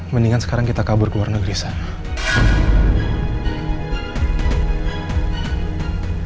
mendingan sekarang kita kabur ke luar negeri sana